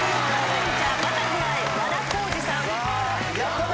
やったね。